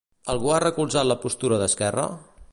Algú ha recolzat la postura d'Esquerra?